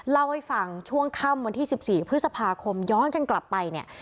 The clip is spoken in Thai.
เล่าให้ฟังช่วงค่ำวันที่๑๔พฤษภาคมย้อนกันกลับไปเนี่ย